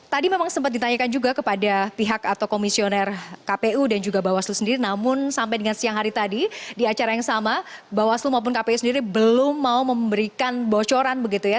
tadi memang sempat ditanyakan juga kepada pihak atau komisioner kpu dan juga bawaslu sendiri namun sampai dengan siang hari tadi di acara yang sama bawaslu maupun kpu sendiri belum mau memberikan bocoran begitu ya